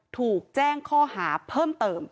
ถูกแจ้งข้อหาเพิ่มเติม